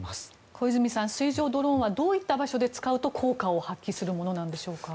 小泉さん水上ドローンはどういった場所で使うと効果を発揮するものでしょうか。